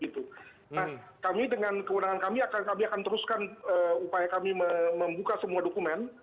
nah kami dengan kewenangan kami kami akan teruskan upaya kami membuka semua dokumen